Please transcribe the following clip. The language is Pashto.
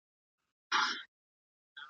زه به سبا کتابتوني کار کوم!؟